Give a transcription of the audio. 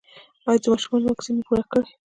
ایا د ماشومانو واکسین مو پوره کړی؟